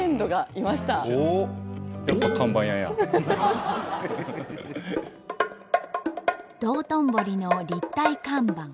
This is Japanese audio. なんと道頓堀の立体看板。